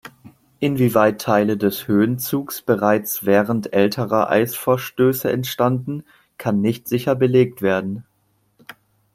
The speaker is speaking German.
Inwieweit Teile des Höhenzugs bereits während älterer Eisvorstöße entstanden, kann nicht sicher belegt werden.